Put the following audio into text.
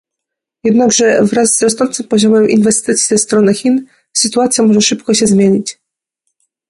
Jednakże wraz z rosnącym poziomem inwestycji ze strony Chin sytuacja może szybko się zmienić